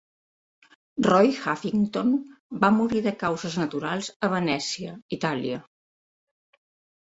Roy Huffington va morir de causes naturals a Venècia, Itàlia.